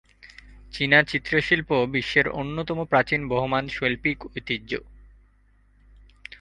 চীনা চিত্রশিল্প বিশ্বের অন্যতম প্রাচীন বহমান শৈল্পিক ঐতিহ্য।